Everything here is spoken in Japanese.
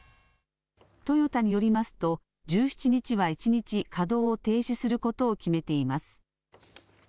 トヨタによりますと１７日は一日稼働を停止することを決めています。